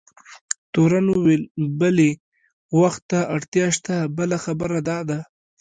تورن وویل: بلي، وخت ته اړتیا شته، بله خبره دا ده.